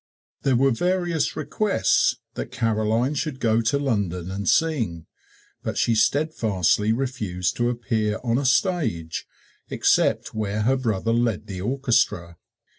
There were various requests that Caroline should go to London and sing, but she steadfastly refused to appear on a stage except where her brother led the orchestra.